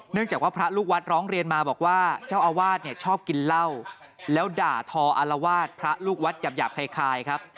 จากว่าพระลูกวัดร้องเรียนมาบอกว่าเจ้าอาวาสเนี่ยชอบกินเหล้าแล้วด่าทออารวาสพระลูกวัดหยาบคล้ายครับ